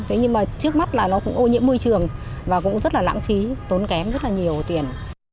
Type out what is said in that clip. thế nhưng mà trước mắt là nó cũng ô nhiễm môi trường và cũng rất là lãng phí tốn kém rất là nhiều tiền